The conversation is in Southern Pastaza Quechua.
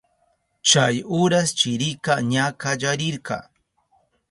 Chay uras chirika ña kallarirka.